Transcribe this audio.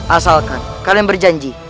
asalkan kalian berjanji